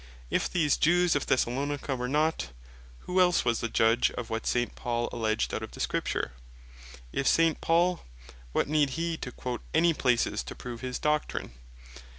If these Jews of Thessalonica were not, who else was the Judge of what S. Paul alledged out of Scripture? If S. Paul, what needed he to quote any places to prove his doctrine?